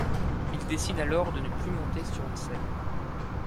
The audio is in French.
Il décide alors de ne plus monter sur une scène.